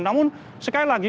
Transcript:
namun sekali lagi